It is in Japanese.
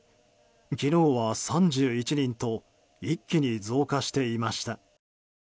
昨日は３１人と一気に増加していました。